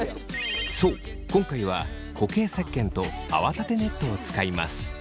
そう今回は固形せっけんと泡立てネットを使います。